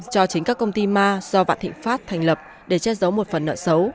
cho chính các công ty ma do vạn thịnh phát thành lập để chết giấu một phần nợ xấu